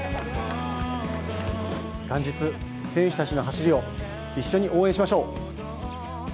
元日、選手たちの走りを一緒に応援しましょう！